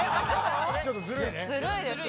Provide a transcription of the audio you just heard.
ちょっとずるいね。